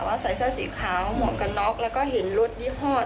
ว่าใส่เสื้อสีขาวหกกระน๊อกแล้วก็เห็นรถยี่ฮอท